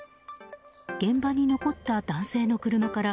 現場に残った男性の車から